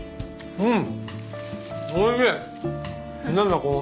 うん。